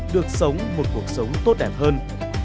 được sống một cuộc sống tốt đẹp hơn